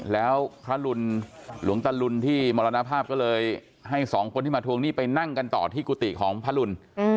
แล้วพระหลวงตะลุนที่มรณภาพก็เลยให้สองคนที่มาทวงหนี้ไปนั่งกันต่อที่กุฏิของพระรุน